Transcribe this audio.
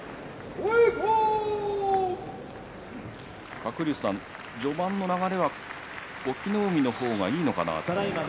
鶴竜さん序盤の流れは隠岐の海の方がいいのかなと。